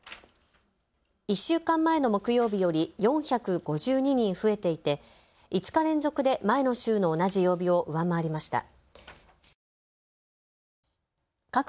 １週間前の木曜日より４５２人増えていて５日連続で前の週の同じ曜日を上回りました。